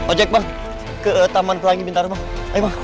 ojek ke taman pelangi bitar bang ayo bang